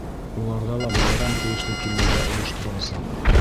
Уларҙа ла байрам тейешле кимәлдә ойоштороласаҡ.